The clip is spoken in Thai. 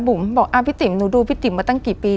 บอกพี่ติ๋มหนูดูพี่ติ๋มมาตั้งกี่ปี